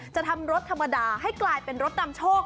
ทำรถธรรมดาให้กลายเป็นรถนำโชค